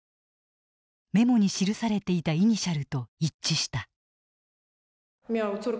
メモに記されていたイニシャルと一致した。